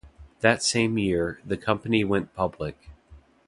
That same year, the company went public.